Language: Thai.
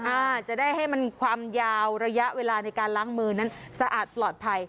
อาจจะได้ให้มันความยาวระยะเวลาในการล้างมือนั้นสะอาดปลอดภัย